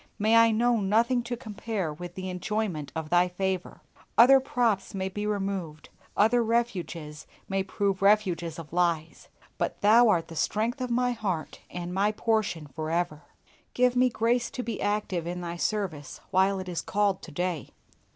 May I know nothing to compare with the enjoyment of Thy favor. Other props may be removed, other refuges may prove refuges of lies, but Thou art the strength of my heart and my portion for ever. Give me grace to be active in Thy service while it is called to day.